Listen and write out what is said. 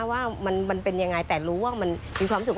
ว่ามันเป็นยังไงแต่รู้ว่ามันมีความสุข